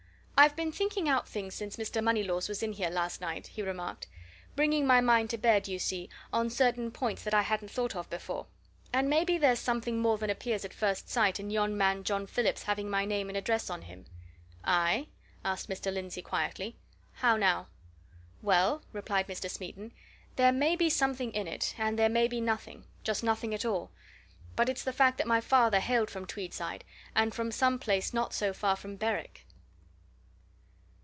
"I've been thinking out things since Mr. Moneylaws was in here last night," he remarked. "Bringing my mind to bear, do you see, on certain points that I hadn't thought of before. And maybe there's something more than appears at first sight in yon man John Phillips having my name and address on him." "Aye?" asked Mr. Lindsey, quietly. "How, now?" "Well," replied Mr. Smeaton, "there may be something in it, and there may be nothing just nothing at all. But it's the fact that my father hailed from Tweedside and from some place not so far from Berwick."